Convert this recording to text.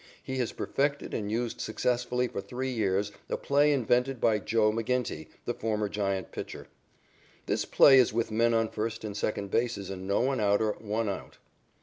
He has perfected and used successfully for three years a play invented by "Joe" McGinnity, the former Giant pitcher. This play is with men on first and second bases and no one out or one out.